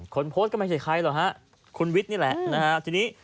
คนโพสต์ก็ไม่ใช่ใครหรอกฮะคุณวิทย์นี่แหละนะฮะทีนี้